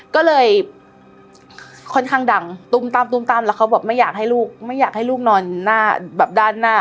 ก็เลยค่อนข้างดังตุ้มตำแล้วเขาบอกไม่อยากให้ลูกนอนแบบด้านหน้า